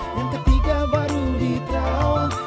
yang ketiga baru diterawang